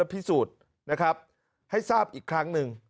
พิสูจน์นะครับให้ทราบอีกครั้งหนึ่ง